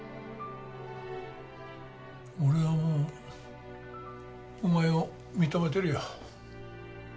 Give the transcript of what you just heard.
俺はもうお前を認めてるよ。